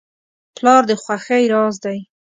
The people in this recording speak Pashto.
پلار د خوښۍ راز دی.